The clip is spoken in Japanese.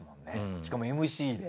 しかもＭＣで。